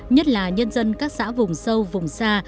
nhất là nhân dân các xã vùng sâu vùng xa